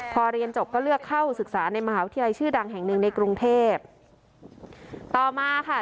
พอเรียนจบก็เลือกเข้าศึกษาในมหาวิทยาลัยชื่อดังแห่งหนึ่งในกรุงเทพต่อมาค่ะ